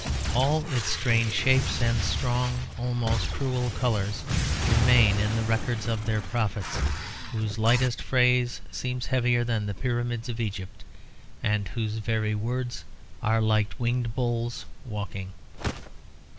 All its strange shapes and strong almost cruel colours remain in the records of their prophets; whose lightest phrase seems heavier than the pyramids of Egypt; and whose very words are like winged bulls walking.